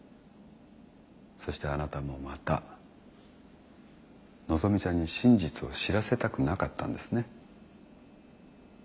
そしてあなたもまた希美ちゃんに真実を知らせたくなかったんですね。